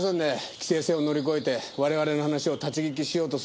規制線を乗り越えて我々の話を立ち聞きしようとするのは。